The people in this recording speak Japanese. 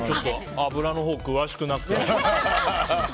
油のほう詳しくなくて。